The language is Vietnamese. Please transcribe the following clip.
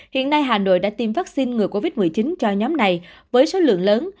hiện nay hà nội đã tiêm vaccine ngừa covid một mươi chín cho nhóm này với số lượng lớn